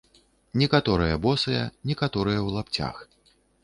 Некаторыя босыя, некаторыя ў лапцях.